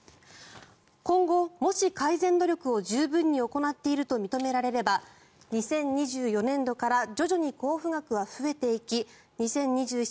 今後、もし改善努力を十分に行っていると認められれば２０２４年度から徐々に交付額は増えていき２０２７